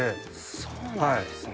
そうなんですね。